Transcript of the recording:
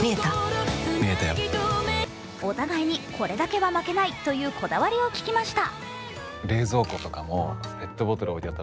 お互いに、これだけは負けないというこだわりを聞きました。